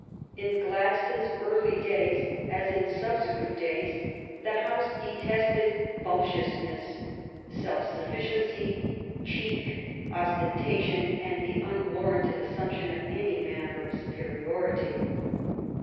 In Gladstones early days, as in subsequent days, the House detested bumptiousness "— self suffi ciency, "cheek," ostentation, and the unwarranted assumption of any manner of superiority.